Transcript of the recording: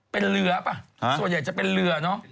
เป็นเรือป่ะส่วนใหญ่จะเป็นเรือเนอะ